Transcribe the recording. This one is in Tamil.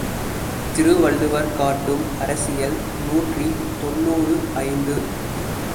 திருவள்ளுவர் காட்டும் அரசியல் நூற்றி தொன்னூறு ஐந்து.